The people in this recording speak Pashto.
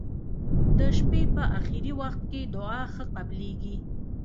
د شپي په اخرې وخت کې دعا ښه قبلیږی.